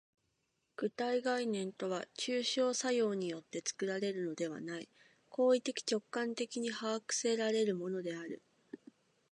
具体概念とは抽象作用によって作られるのではない、行為的直観的に把握せられるのである。